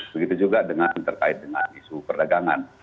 begitu juga dengan terkait dengan isu perdagangan